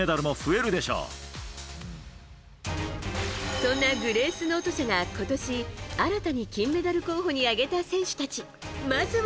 そんなグレースノート社が今年新たに金メダル候補に挙げた選手たちまずは。